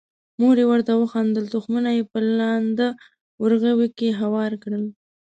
مور یې ورته وخندل، تخمونه یې په لانده ورغوي کې هوار کړل.